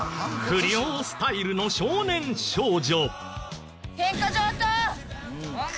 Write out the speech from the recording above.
不良スタイルの少年少女。